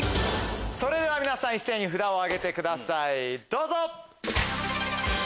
それでは皆さん一斉に札を挙げてくださいどうぞ！